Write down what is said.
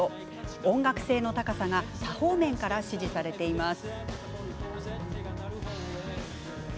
音楽性の高さが多方面から支持されています。